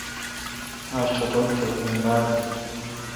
آج ٹٹھول تہ ایم باڑ این۔